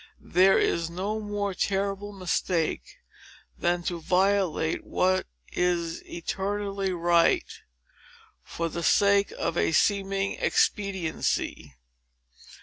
There is no more terrible mistake, than to violate what is eternally right, for the sake of a seeming expediency.